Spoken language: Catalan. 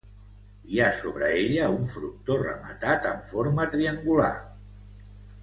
Hi ha sobre ella un frontó rematat en forma triangular.